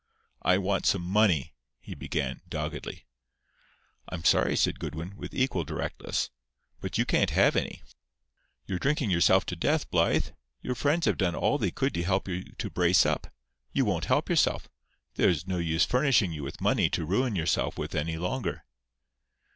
"I want some money," he began, doggedly. "I'm sorry," said Goodwin, with equal directness, "but you can't have any. You're drinking yourself to death, Blythe. Your friends have done all they could to help you to brace up. You won't help yourself. There's no use furnishing you with money to ruin yourself with any longer."